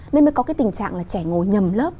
nên mới có cái tình trạng là trẻ ngồi nhầm lớp